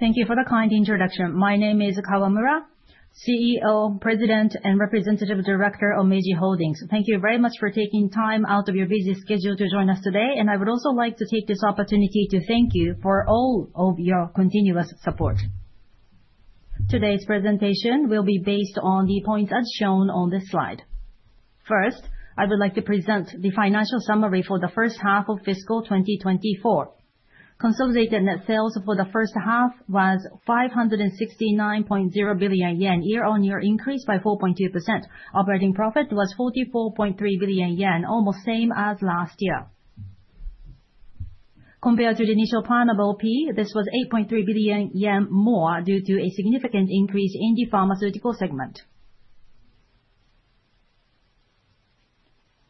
Thank you for the kind introduction. My name is Kawamura, CEO, President, and Representative Director of Meiji Holdings. Thank you very much for taking time out of your busy schedule to join us today, and I would also like to take this opportunity to thank you for all of your continuous support. Today's presentation will be based on the points as shown on this slide. First, I would like to present the financial summary for the first half of fiscal 2024. Consolidated net sales for the first half was 569.0 billion yen, year-on-year increase by 4.2%. Operating profit was 44.3 billion yen, almost the same as last year. Compared to the initial planned profit, this was 8.3 billion yen more due to a significant increase in the pharmaceutical segment.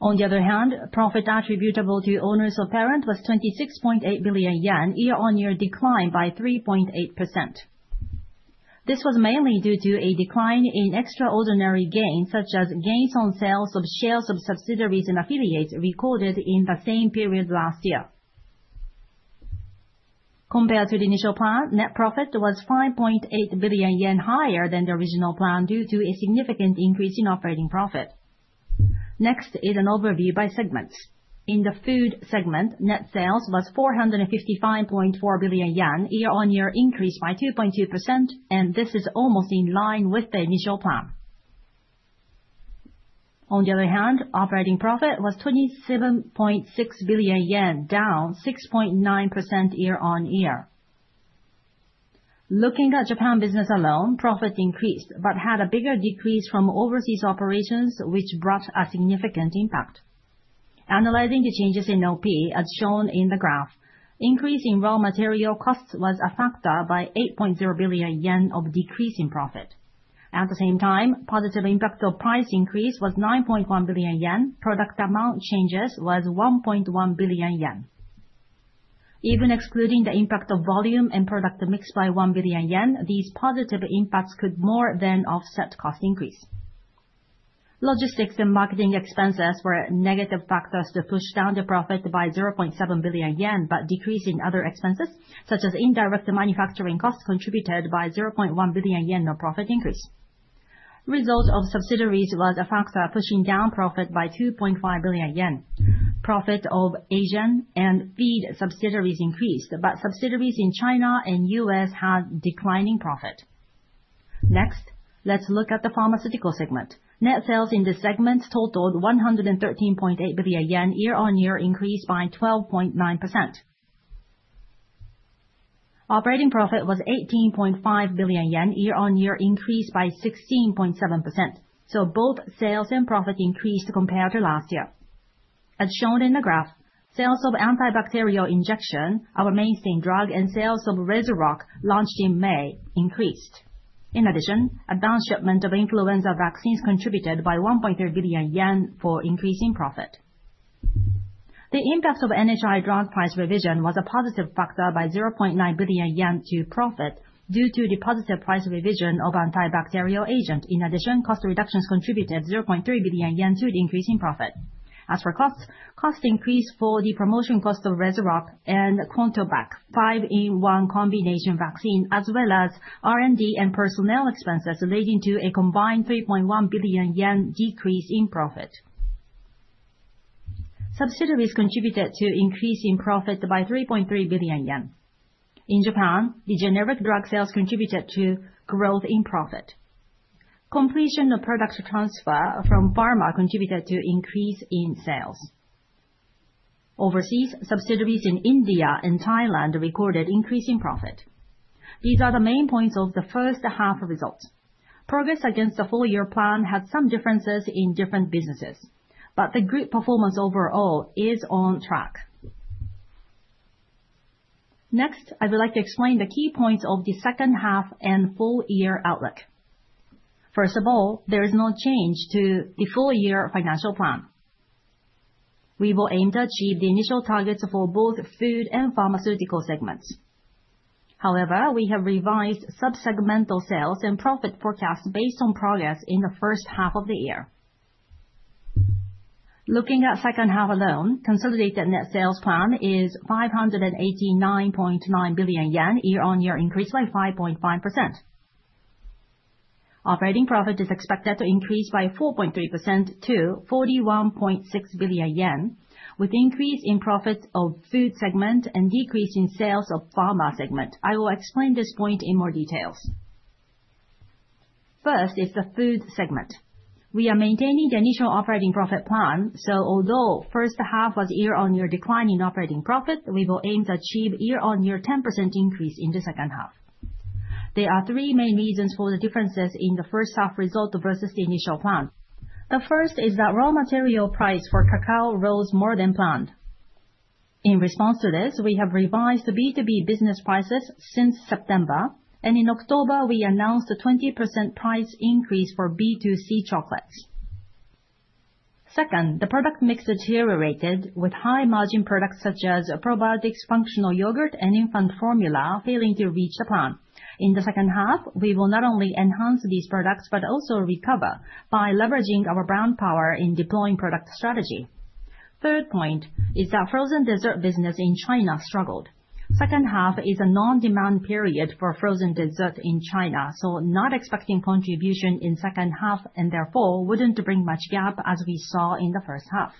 On the other hand, profit attributable to owners of parent was 26.8 billion yen, year-on-year decline by 3.8%. This was mainly due to a decline in extraordinary gains, such as gains on sales of shares of subsidiaries and affiliates recorded in the same period last year. Compared to the initial plan, net profit was ¥5.8 billion higher than the original plan due to a significant increase in operating profit. Next is an overview by segments. In the food segment, net sales was ¥455.4 billion, year-on-year increase by 2.2%, and this is almost in line with the initial plan. On the other hand, operating profit was ¥27.6 billion, down 6.9% year-on-year. Looking at Japan business alone, profit increased but had a bigger decrease from overseas operations, which brought a significant impact. Analyzing the changes in OP, as shown in the graph, increase in raw material costs was a factor by ¥8.0 billion of decrease in profit. At the same time, positive impact of price increase was 9.1 billion yen. Product amount changes was 1.1 billion yen. Even excluding the impact of volume and product mix by 1 billion yen, these positive impacts could more than offset cost increase. Logistics and marketing expenses were negative factors to push down the profit by 0.7 billion yen, but decrease in other expenses, such as indirect manufacturing costs contributed by 0.1 billion yen of profit increase. Result of subsidiaries was a factor pushing down profit by 2.5 billion yen. Profit of Asian and feed subsidiaries increased, but subsidiaries in China and U.S. had declining profit. Next, let's look at the pharmaceutical segment. Net sales in this segment totaled 113.8 billion yen, year-on-year increase by 12.9%. Operating profit was 18.5 billion yen, year-on-year increase by 16.7%, so both sales and profit increased compared to last year. As shown in the graph, sales of antibacterial injection, our mainstay drug, and sales of Rezurock launched in May increased. In addition, advanced shipment of influenza vaccines contributed by 1.3 billion yen for increase in profit. The impact of NHI drug price revision was a positive factor by 0.9 billion yen to profit due to the positive price revision of antibacterial agent. In addition, cost reductions contributed 0.3 billion yen to the increase in profit. As for costs, cost increase for the promotion cost of Rezurock and Quattrovac, five-in-one combination vaccine, as well as R&D and personnel expenses leading to a combined 3.1 billion yen decrease in profit. Subsidiaries contributed to increase in profit by 3.3 billion yen. In Japan, the generic drug sales contributed to growth in profit. Completion of product transfer from Pharma contributed to increase in sales. Overseas, subsidiaries in India and Thailand recorded increase in profit. These are the main points of the first half result. Progress against the full year plan had some differences in different businesses, but the group performance overall is on track. Next, I would like to explain the key points of the second half and full year outlook. First of all, there is no change to the full year financial plan. We will aim to achieve the initial targets for both food and pharmaceutical segments. However, we have revised subsegmental sales and profit forecast based on progress in the first half of the year. Looking at second half alone, consolidated net sales plan is 589.9 billion yen, year-on-year increase by 5.5%. Operating profit is expected to increase by 4.3% to 41.6 billion yen, with increase in profit of food segment and decrease in sales of pharma segment. I will explain this point in more details. First is the food segment. We are maintaining the initial operating profit plan, so although first half was year-on-year declining operating profit, we will aim to achieve year-on-year 10% increase in the second half. There are three main reasons for the differences in the first half result versus the initial plan. The first is that raw material price for cacao rose more than planned. In response to this, we have revised B2B business prices since September, and in October, we announced a 20% price increase for B2C chocolates. Second, the product mix deteriorated with high-margin products such as probiotics functional yogurt and infant formula failing to reach the plan. In the second half, we will not only enhance these products but also recover by leveraging our brand power in deploying product strategy. Third point is that frozen dessert business in China struggled. Second half is a non-demand period for frozen dessert in China, so not expecting contribution in second half and therefore wouldn't bring much gap as we saw in the first half.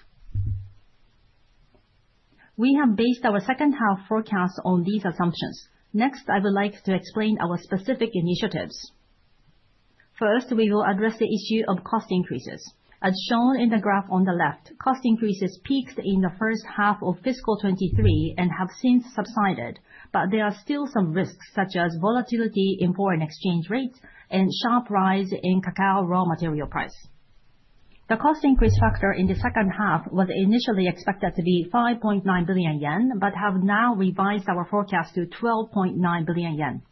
We have based our second half forecast on these assumptions. Next, I would like to explain our specific initiatives. First, we will address the issue of cost increases. As shown in the graph on the left, cost increases peaked in the first half of fiscal 2023 and have since subsided, but there are still some risks such as volatility in foreign exchange rates and sharp rise in cacao raw material price. The cost increase factor in the second half was initially expected to be 5.9 billion yen but have now revised our forecast to 12.9 billion yen.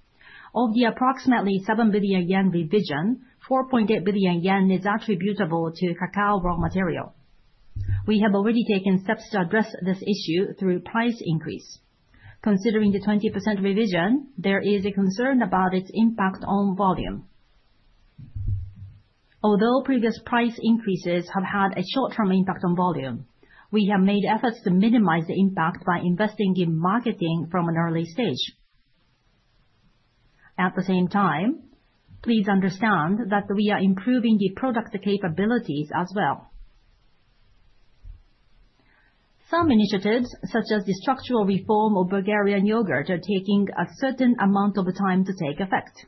Of the approximately 7 billion yen revision, 4.8 billion yen is attributable to cacao raw material. We have already taken steps to address this issue through price increase. Considering the 20% revision, there is a concern about its impact on volume. Although previous price increases have had a short-term impact on volume, we have made efforts to minimize the impact by investing in marketing from an early stage. At the same time, please understand that we are improving the product capabilities as well. Some initiatives, such as the structural reform of Bulgaria Yogurt, are taking a certain amount of time to take effect.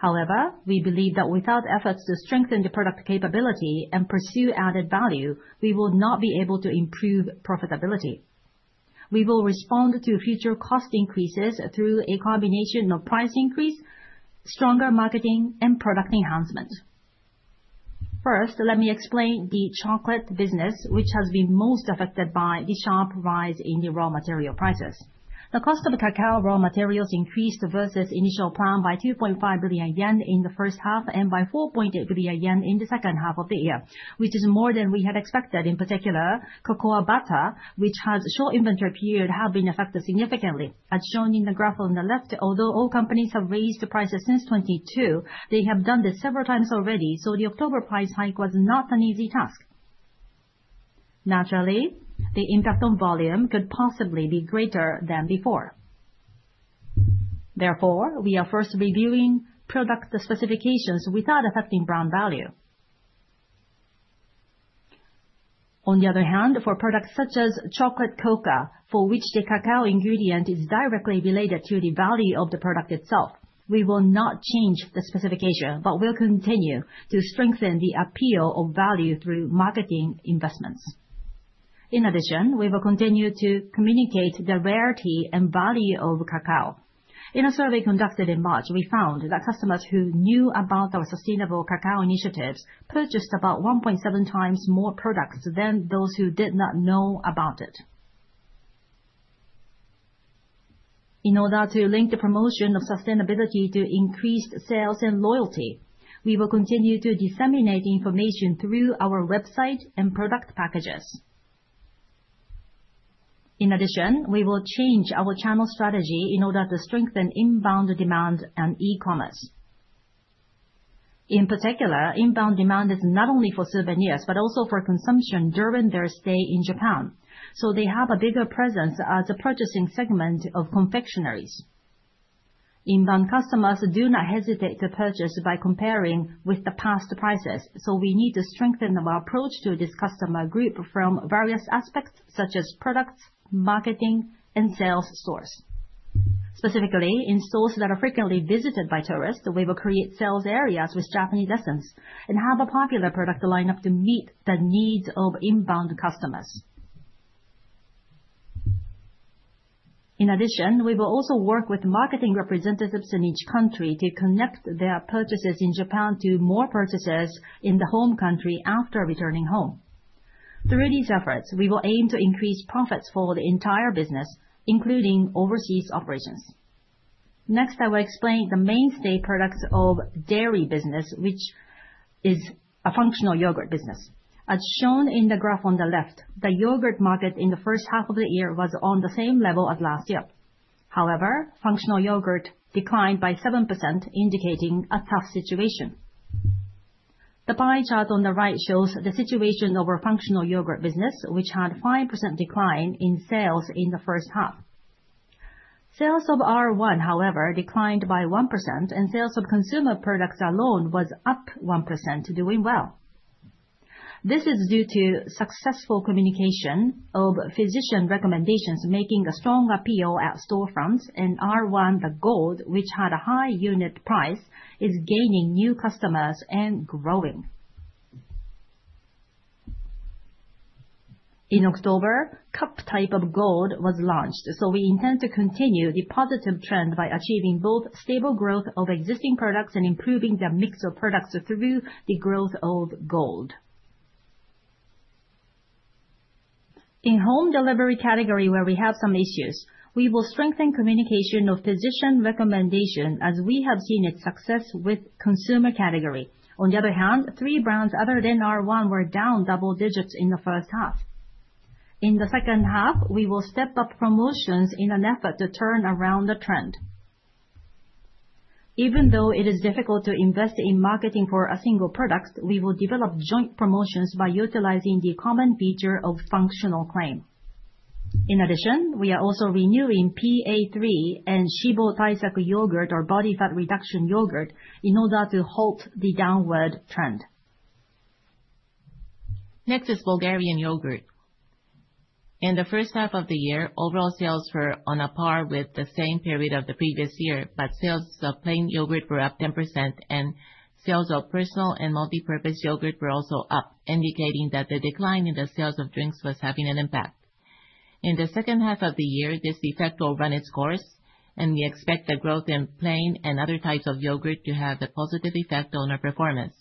However, we believe that without efforts to strengthen the product capability and pursue added value, we will not be able to improve profitability. We will respond to future cost increases through a combination of price increase, stronger marketing, and product enhancement. First, let me explain the chocolate business, which has been most affected by the sharp rise in the raw material prices. The cost of cacao raw materials increased versus initial plan by 2.5 billion yen in the first half and by 4.8 billion yen in the second half of the year, which is more than we had expected. In particular, cocoa butter, which has a short inventory period, has been affected significantly. As shown in the graph on the left, although all companies have raised prices since 2022, they have done this several times already, so the October price hike was not an easy task. Naturally, the impact on volume could possibly be greater than before. Therefore, we are first reviewing product specifications without affecting brand value. On the other hand, for products such as Chocolate Kouka, for which the cacao ingredient is directly related to the value of the product itself, we will not change the specification, but will continue to strengthen the appeal of value through marketing investments. In addition, we will continue to communicate the rarity and value of cacao. In a survey conducted in March, we found that customers who knew about our sustainable cacao initiatives purchased about 1.7 times more products than those who did not know about it. In order to link the promotion of sustainability to increased sales and loyalty, we will continue to disseminate information through our website and product packages. In addition, we will change our channel strategy in order to strengthen inbound demand and e-commerce. In particular, inbound demand is not only for souvenirs but also for consumption during their stay in Japan, so they have a bigger presence as a purchasing segment of confectioneries. Inbound customers do not hesitate to purchase by comparing with the past prices, so we need to strengthen our approach to this customer group from various aspects such as products, marketing, and sales stores. Specifically, in stores that are frequently visited by tourists, we will create sales areas with Japanese essence and have a popular product lineup to meet the needs of inbound customers. In addition, we will also work with marketing representatives in each country to connect their purchases in Japan to more purchases in the home country after returning home. Through these efforts, we will aim to increase profits for the entire business, including overseas operations. Next, I will explain the mainstay products of dairy business, which is a functional yogurt business. As shown in the graph on the left, the yogurt market in the first half of the year was on the same level as last year. However, functional yogurt declined by 7%, indicating a tough situation. The pie chart on the right shows the situation of our functional yogurt business, which had a 5% decline in sales in the first half. Sales of R-1, however, declined by 1%, and sales of consumer products alone was up 1%, doing well. This is due to successful communication of physician recommendations, making a strong appeal at storefronts, and R-1, the gold, which had a high unit price, is gaining new customers and growing. In October, Cup type of gold was launched, so we intend to continue the positive trend by achieving both stable growth of existing products and improving the mix of products through the growth of gold. In home delivery category, where we have some issues, we will strengthen communication of physician recommendation as we have seen its success with consumer category. On the other hand, three brands other than R-1 were down double digits in the first half. In the second half, we will step up promotions in an effort to turn around the trend. Even though it is difficult to invest in marketing for a single product, we will develop joint promotions by utilizing the common feature of functional claim. In addition, we are also renewing PA-3 and Shibo Taisaku Yogurt, our body fat reduction yogurt, in order to halt the downward trend. Next is Bulgarian yogurt. In the first half of the year, overall sales were on a par with the same period of the previous year, but sales of plain yogurt were up 10%, and sales of personal and multipurpose yogurt were also up, indicating that the decline in the sales of drinks was having an impact. In the second half of the year, this effect will run its course, and we expect the growth in plain and other types of yogurt to have a positive effect on our performance.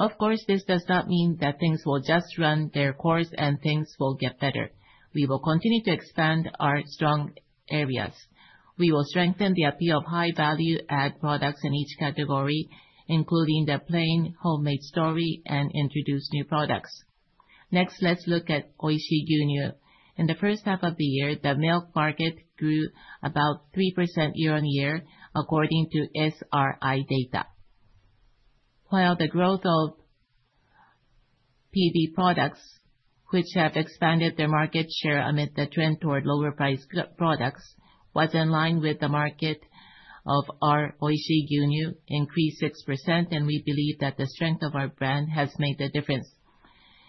Of course, this does not mean that things will just run their course and things will get better. We will continue to expand our strong areas. We will strengthen the appeal of high-value add products in each category, including the plain, homemade story, and introduce new products. Next, let's look at Oishii Gyunyu. In the first half of the year, the milk market grew about 3% year-on-year, according to SRI data. While the growth of PB products, which have expanded their market share amid the trend toward lower-priced products, was in line with the market of our Oishii Gyunyu, increased 6%, and we believe that the strength of our brand has made the difference.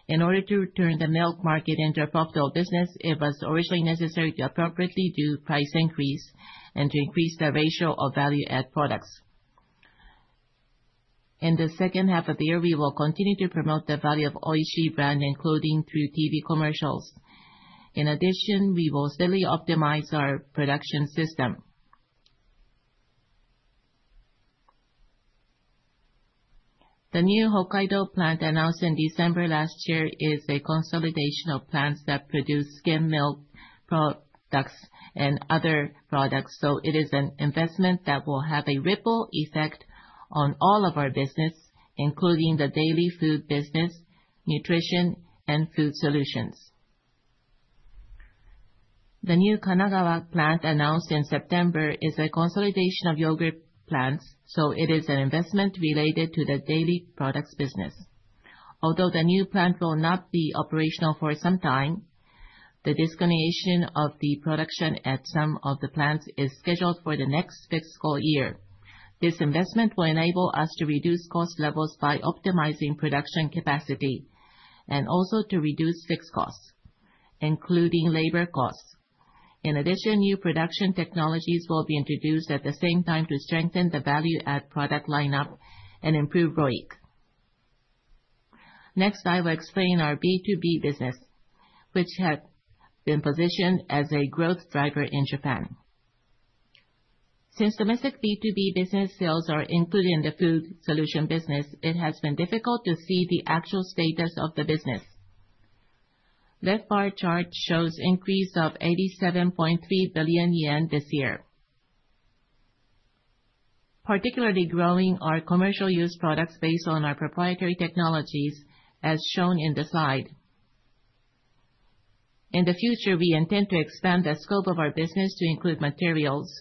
In order to turn the milk market into a profitable business, it was originally necessary to appropriately do price increase and to increase the ratio of value-added products. In the second half of the year, we will continue to promote the value of Oishii brand, including through TV commercials. In addition, we will steadily optimize our production system. The new Hokkaido plant announced in December last year is a consolidation of plants that produce skim milk products and other products, so it is an investment that will have a ripple effect on all of our business, including the daily food business, nutrition, and food solutions. The new Kanagawa plant announced in September is a consolidation of yogurt plants, so it is an investment related to the daily products business. Although the new plant will not be operational for some time, the consolidation of the production at some of the plants is scheduled for the next fiscal year. This investment will enable us to reduce cost levels by optimizing production capacity and also to reduce fixed costs, including labor costs. In addition, new production technologies will be introduced at the same time to strengthen the value-added product lineup and improve ROIC. Next, I will explain our B2B business, which had been positioned as a growth driver in Japan. Since domestic B2B business sales are included in the food solution business, it has been difficult to see the actual status of the business. The left bar chart shows an increase of 87.3 billion yen this year. Particularly growing are commercial-use products based on our proprietary technologies, as shown in the slide. In the future, we intend to expand the scope of our business to include materials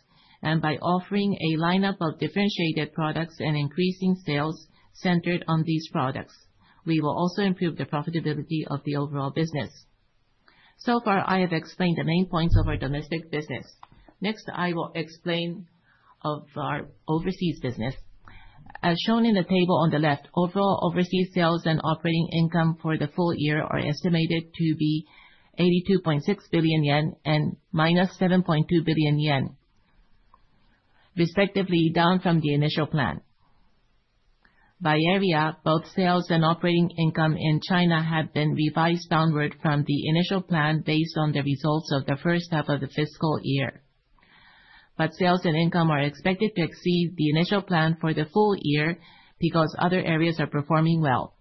and by offering a lineup of differentiated products and increasing sales centered on these products. We will also improve the profitability of the overall business. So far, I have explained the main points of our domestic business. Next, I will explain our overseas business. As shown in the table on the left, overall overseas sales and operating income for the full year are estimated to be 82.6 billion yen and 7.2 billion yen, respectively, down from the initial plan. By area, both sales and operating income in China have been revised downward from the initial plan based on the results of the first half of the fiscal year. But sales and income are expected to exceed the initial plan for the full year because other areas are performing well.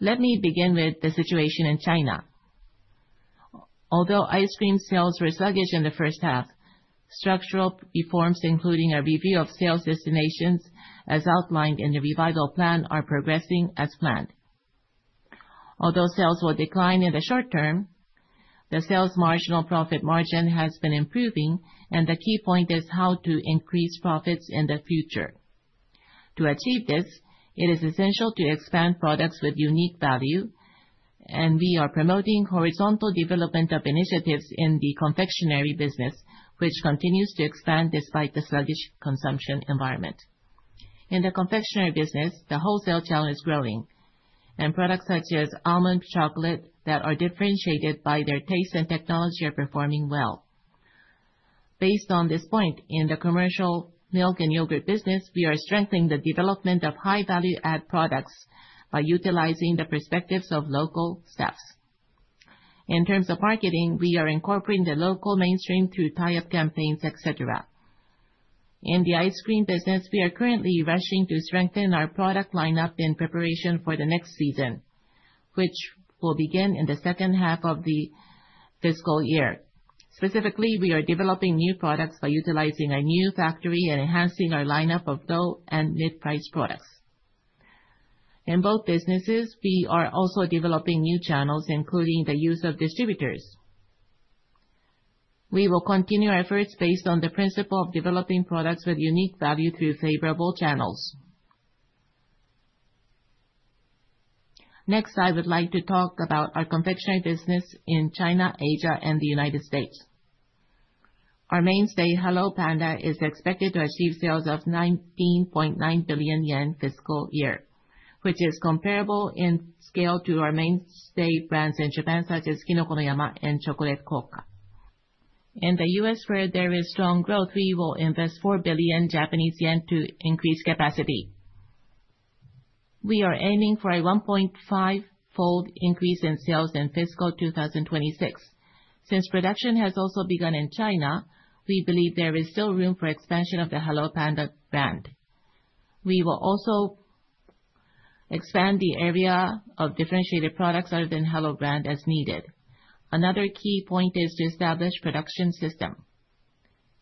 Let me begin with the situation in China. Although ice cream sales were sluggish in the first half, structural reforms, including a review of sales destinations as outlined in the revival plan, are progressing as planned. Although sales will decline in the short term, the sales marginal profit margin has been improving, and the key point is how to increase profits in the future. To achieve this, it is essential to expand products with unique value, and we are promoting horizontal development of initiatives in the confectionery business, which continues to expand despite the sluggish consumption environment. In the confectionery business, the wholesale channel is growing, and products such as almond chocolate that are differentiated by their taste and technology are performing well. Based on this point, in the commercial milk and yogurt business, we are strengthening the development of high-value-added products by utilizing the perspectives of local chefs. In terms of marketing, we are incorporating the local mainstream through tie-up campaigns, etc. In the ice cream business, we are currently rushing to strengthen our product lineup in preparation for the next season, which will begin in the second half of the fiscal year. Specifically, we are developing new products by utilizing a new factory and enhancing our lineup of low and mid-priced products. In both businesses, we are also developing new channels, including the use of distributors. We will continue our efforts based on the principle of developing products with unique value through favorable channels. Next, I would like to talk about our confectionery business in China, Asia, and the United States. Our mainstay Hello Panda is expected to achieve sales of ¥19.9 billion fiscal year, which is comparable in scale to our mainstay brands in Japan such as Kinoko no Yama and Chocolate Koka. In the U.S., where there is strong growth, we will invest 4 billion Japanese yen to increase capacity. We are aiming for a 1.5-fold increase in sales in fiscal 2026. Since production has also begun in China, we believe there is still room for expansion of the Hello Panda brand. We will also expand the area of differentiated products other than Hello Panda as needed. Another key point is to establish a production system.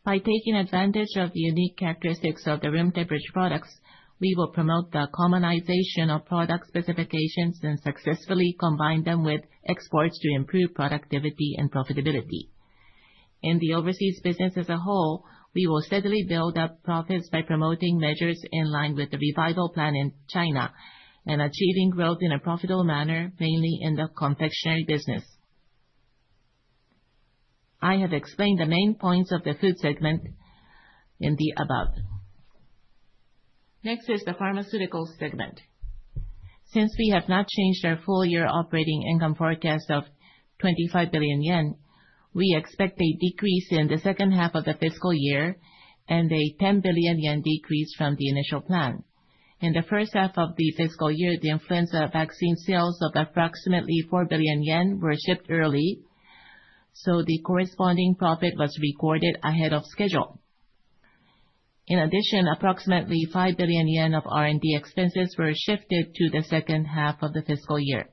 By taking advantage of the unique characteristics of the rim-to-bridge products, we will promote the commonization of product specifications and successfully combine them with exports to improve productivity and profitability. In the overseas business as a whole, we will steadily build up profits by promoting measures in line with the revival plan in China and achieving growth in a profitable manner, mainly in the confectionery business. I have explained the main points of the food segment in the above. Next is the pharmaceutical segment. Since we have not changed our full-year operating income forecast of 25 billion yen, we expect a decrease in the second half of the fiscal year and a 10 billion yen decrease from the initial plan. In the first half of the fiscal year, the influenza vaccine sales of approximately 4 billion yen were shipped early, so the corresponding profit was recorded ahead of schedule. In addition, approximately 5 billion yen of R&D expenses were shifted to the second half of the fiscal year.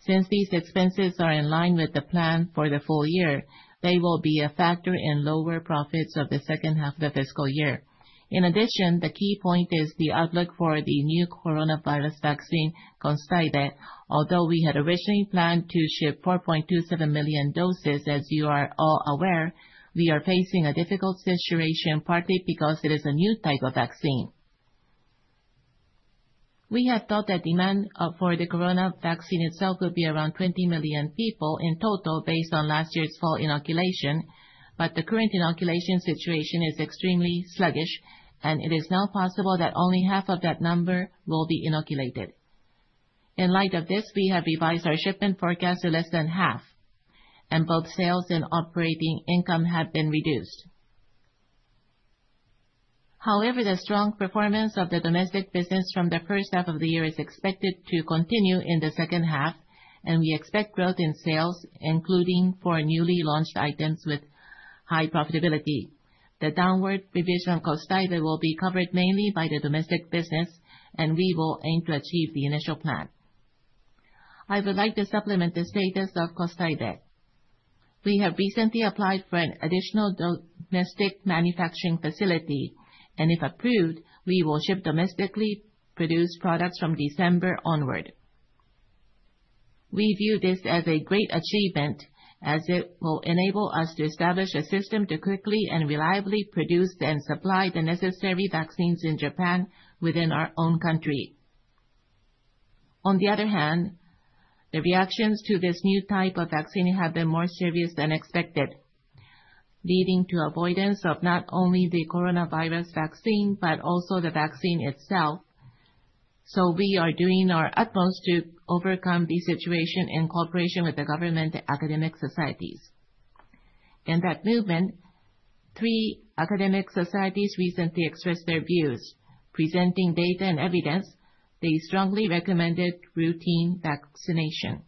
Since these expenses are in line with the plan for the full year, they will be a factor in lower profits of the second half of the fiscal year. In addition, the key point is the outlook for the new coronavirus vaccine, Kostaive. Although we had originally planned to ship 4.27 million doses, as you are all aware, we are facing a difficult situation partly because it is a new type of vaccine. We had thought that demand for the coronavirus vaccine itself would be around 20 million people in total based on last year's full inoculation, but the current inoculation situation is extremely sluggish, and it is now possible that only half of that number will be inoculated. In light of this, We have revised our shipment forecast to less than half, and both sales and operating income have been reduced. However, the strong performance of the domestic business from the first half of the year is expected to continue in the second half, and we expect growth in sales, including for newly launched items with high profitability. The downward provision of Kostaive will be covered mainly by the domestic business, and we will aim to achieve the initial plan. I would like to supplement the status of Kostaive. We have recently applied for an additional domestic manufacturing facility, and if approved, we will ship domestically produced products from December onward. We view this as a great achievement, as it will enable us to establish a system to quickly and reliably produce and supply the necessary vaccines in Japan within our own country. On the other hand, the reactions to this new type of vaccine have been more serious than expected, leading to avoidance of not only the coronavirus vaccine but also the vaccine itself. So we are doing our utmost to overcome the situation in cooperation with the government and academic societies. In that movement, three academic societies recently expressed their views. Presenting data and evidence, they strongly recommended routine vaccination.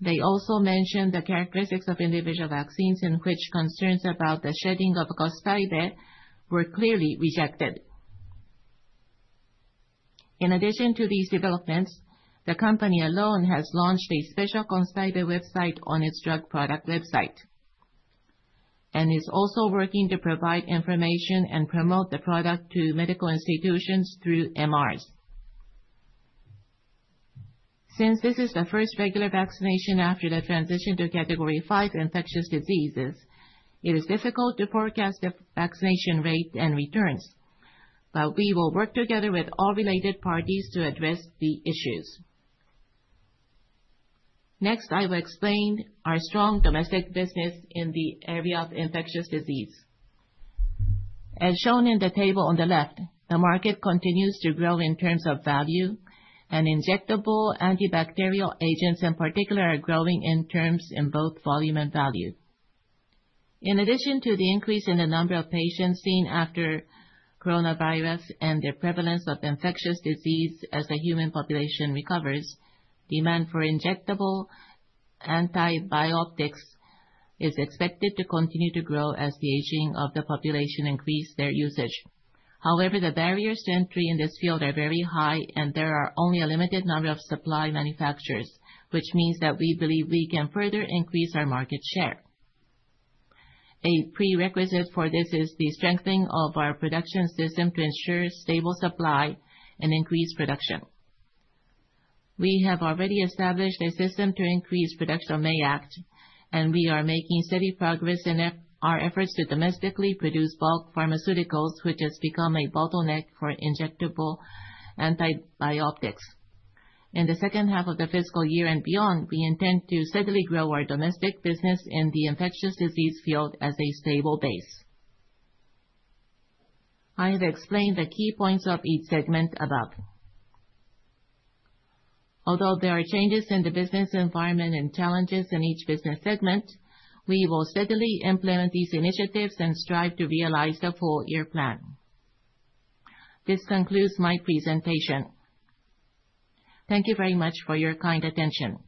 They also mentioned the characteristics of individual vaccines in which concerns about the shedding of Kostaive were clearly rejected. In addition to these developments, the company alone has launched a special Kostaive website on its drug product website and is also working to provide information and promote the product to medical institutions through MRs. Since this is the first regular vaccination after the transition to Category V infectious diseases, it is difficult to forecast the vaccination rate and returns, but we will work together with all related parties to address the issues. Next, I will explain our strong domestic business in the area of infectious disease. As shown in the table on the left, the market continues to grow in terms of value, and injectable antibacterial agents, in particular, are growing in terms in both volume and value. In addition to the increase in the number of patients seen after coronavirus and the prevalence of infectious disease as the human population recovers, demand for injectable antibiotics is expected to continue to grow as the aging of the population increases their usage. However, the barriers to entry in this field are very high, and there are only a limited number of supply manufacturers, which means that we believe we can further increase our market share. A prerequisite for this is the strengthening of our production system to ensure stable supply and increased production. We have already established a system to increase production of Meiact, and we are making steady progress in our efforts to domestically produce bulk pharmaceuticals, which has become a bottleneck for injectable antibiotics. In the second half of the fiscal year and beyond, we intend to steadily grow our domestic business in the infectious disease field as a stable base. I have explained the key points of each segment above. Although there are changes in the business environment and challenges in each business segment, we will steadily implement these initiatives and strive to realize the full-year plan. This concludes my presentation. Thank you very much for your kind attention.